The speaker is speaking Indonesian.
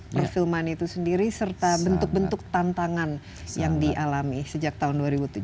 perfilman itu sendiri serta bentuk bentuk tantangan yang dialami sejak tahun dua ribu tujuh belas